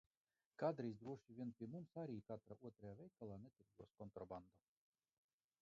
Kādreiz droši vien pie mums arī katrā otrajā veikalā netirgos kontrabandu.